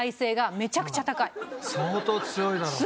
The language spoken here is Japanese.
相当強いだろうね。